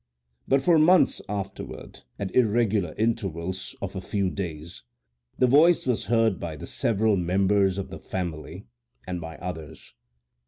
But for months afterward, at irregular intervals of a few days, the voice was heard by the several members of the family, and by others.